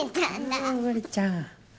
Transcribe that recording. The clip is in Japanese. ああまりちゃん。